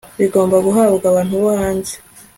bigomba guhabwa abantu bo hanze